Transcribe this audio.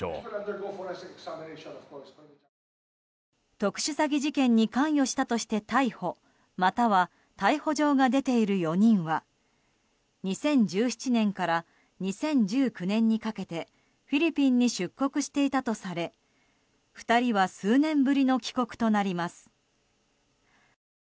特殊詐欺事件に関与したとして逮捕または逮捕状が出ている４人は２０１７年から２０１９年にかけてフィリピンに出国していたとされ２人は数年ぶりの帰国となります。